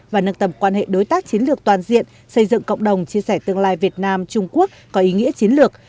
và nâng tầm quan hệ đối tác chiến lược toàn diện xây dựng cộng đồng chia sẻ tương lai việt nam trung quốc có ý nghĩa chiến lược